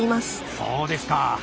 そうですか。